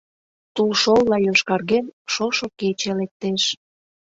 Тулшолла йошкарген, шошо кече лектеш.